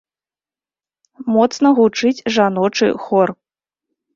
Моцна гучыць жаночы хор.